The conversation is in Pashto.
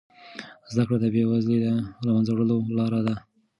زده کړه د بې وزلۍ د له منځه وړلو لاره ده.